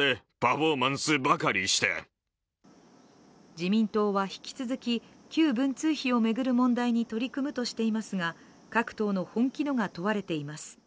自民党は引き続き、旧文通費を巡る問題に取り組むとしていますが各党の本気度が問われています。